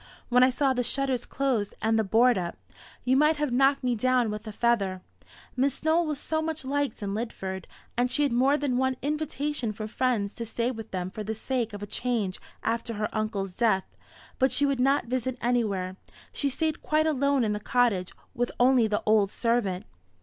When I saw the shutters closed and the board up, you might have knocked me down with a feather. Miss Nowell was so much liked in Lidford, and she had more than one invitation from friends to stay with them for the sake of a change after her uncle's death; but she would not visit anywhere. She stayed quite alone in the cottage, with only the old servant."